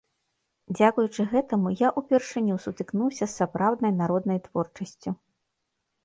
Дзякуючы гэтаму я ўпершыню сутыкнуўся з сапраўднай народнай творчасцю.